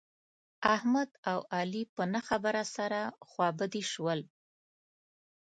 احمد او علي په نه خبره سره خوابدي شول.